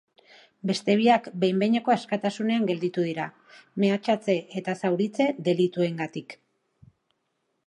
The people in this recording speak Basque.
Beste biak behin-behineko askatasunean gelditu dira, mehatxatze eta zauritze delituengatik.